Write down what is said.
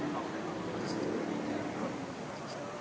โปรดติดตามต่อไป